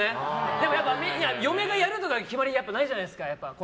でもやっぱ嫁がやるっていう決まりはないじゃないですか。